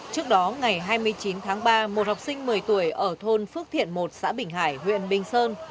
trước đó ngày hai mươi chín tháng ba một học sinh một mươi tuổi ở thôn phước thiện một xã bình hải huyện bình sơn